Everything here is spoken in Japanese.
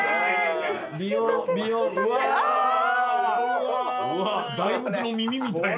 うわっ大仏の耳みたいな。